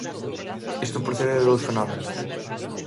Isto procede de dous fenómenos.